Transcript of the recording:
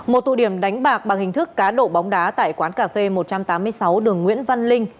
một tụ điểm đánh bạc bằng hình thức cá độ bóng đá tại quán cà phê một trăm tám mươi sáu đường nguyễn văn linh